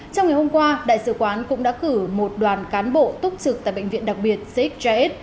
trong ngày hôm qua đại sứ quán cũng đã cử một đoàn cán bộ túc trực tại bệnh viện đặc biệt xix jaed